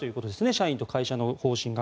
社員と会社の方針が。